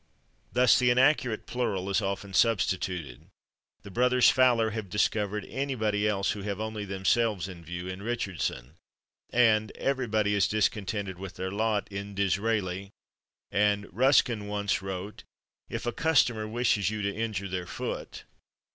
Thus the inaccurate plural is often substituted. The brothers Fowler have discovered "anybody else who have only /themselves/ in view" in Richardson and "everybody is discontented with /their/ lot" in Disraeli, and Ruskin once wrote "if a customer wishes you to injure /their/ foot."